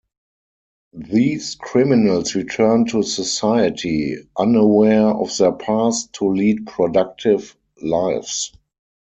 These criminals return to society, unaware of their past, to lead productive lives.